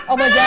oh mau jalan